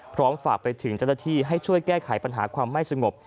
ฝากไปถึงเจ้าหน้าที่ให้ช่วยแก้ไขปัญหาความไม่สงบ